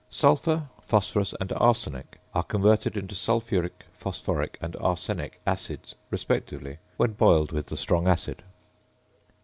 Sulphur, phosphorus, and arsenic are converted into sulphuric, phosphoric, and arsenic acids respectively, when boiled with the strong acid.